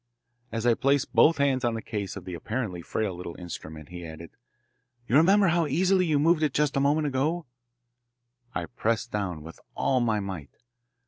As I placed both hands on the case of the apparently frail little instrument, he added, "You remember how easily you moved it just a moment ago." I pressed down with all my might.